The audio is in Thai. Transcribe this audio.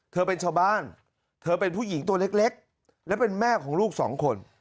เธอเป็นชาวบ้านเธอเป็นผู้หญิงตัวเล็กและเป็นแม่ของลูกสองคน